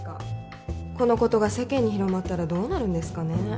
このことが世間に広まったらどうなるんですかね？